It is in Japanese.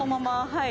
はい。